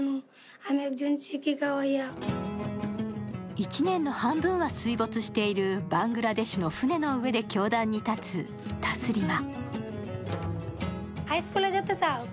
１年の半分は水没しているバングラデシュの船の上で教壇に立つタスリマ。